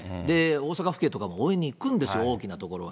大阪府警とかも応援に行くんですよ、大きなところは。